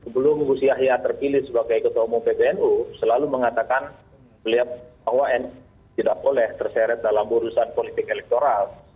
sebelum gus yahya terpilih sebagai ketua umum pbnu selalu mengatakan melihat bahwa nu tidak boleh terseret dalam urusan politik elektoral